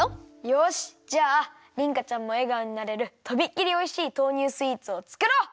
よしじゃありんかちゃんもえがおになれるとびっきりおいしい豆乳スイーツをつくろう！